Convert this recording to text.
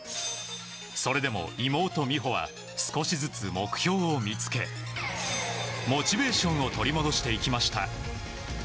それでも妹・美帆は少しずつ目標を見つけモチベーションを取り戻していきました。